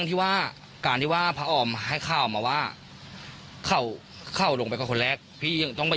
เค้าพูดเลยว่าเป็นการคนลงมา